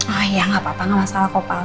oh iya gak apa apa gak masalah kopal